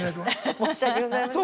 申し訳ございません。